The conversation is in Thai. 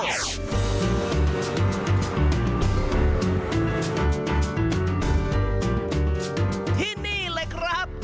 ฮือที่นี่เลยครั้ป